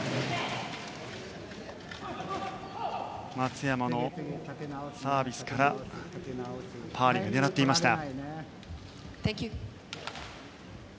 松山のサービスからパーリーが狙っていました。